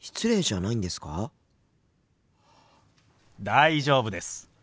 大丈夫です。